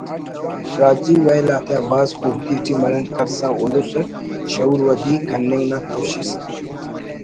راجی ویل آتیا بھاز خوڑتی ٹی ملنڈ کرسا اُلس اٹ شعور ودی کننگ نا کوشست